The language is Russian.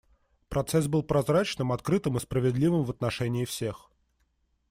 Процесс был прозрачным, открытым и справедливым в отношении всех.